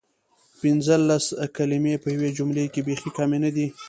پنځلس کلمې په یوې جملې کې بیخې کمې ندي؟!